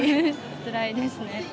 つらいですね。